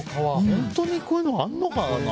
本当にこういうのあるのかな。